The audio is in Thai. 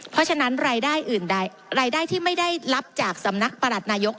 เพราะฉะนั้นรายได้ที่ไม่ได้รับจากสำนักประหลัดนายก